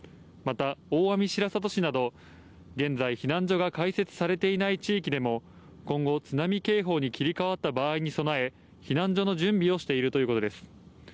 また、大網白里市など、現在、避難所が開設されていない地域でも、今後、津波警報に切り替わった場合に備え、避難所の準備をしているということです。